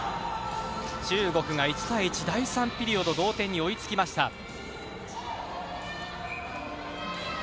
中国が１−１、第３ピリオド同点に追いつきました。